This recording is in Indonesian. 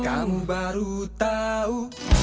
kamu baru tau